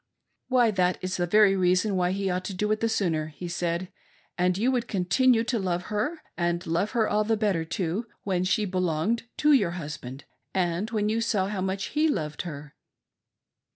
" Why that is the very reason why he ought to do it the sooner," he said, " and you would continue to love her, and love her all the better, too, when she belonged to your hus band, and when you saw how much he loved her."